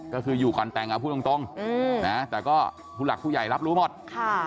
ก็คืออยู่ก่อนแต่งเอาพูดตรงแต่ก็ผู้หลักผู้ใหญ่รับรู้หมด